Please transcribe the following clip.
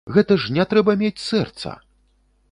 Гэта ж не трэба мець сэрца!